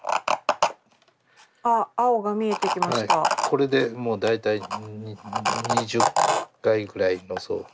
これでもう大体２０階ぐらいの層。